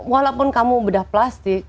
walaupun kamu bedah plastik